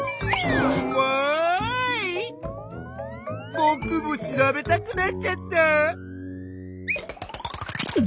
ぼくも調べたくなっちゃった！